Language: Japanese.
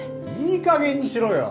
いいかげんにしろよ。